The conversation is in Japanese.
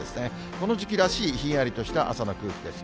この時期らしい、ひんやりとした朝の空気です。